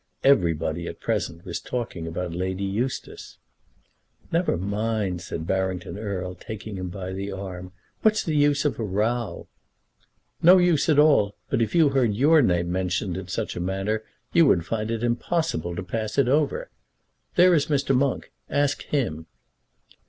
Everybody at present was talking about Lady Eustace. "Never mind," said Barrington Erle, taking him by the arm. "What's the use of a row?" "No use at all; but if you heard your name mentioned in such a manner you would find it impossible to pass it over. There is Mr. Monk; ask him."